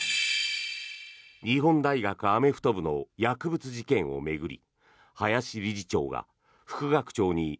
日本大学アメフト部の薬物事件を巡り